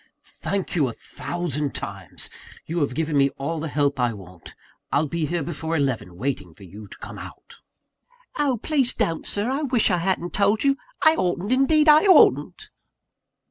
"Thank you a thousand times! you have given me all the help I want. I'll be here before eleven, waiting for you to come out." "Oh, please don't, Sir I wish I hadn't told you I oughtn't, indeed I oughtn't!"